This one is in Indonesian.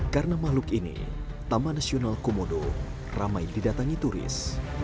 karena mahluk ini taman nasional komodo ramai didatangi turis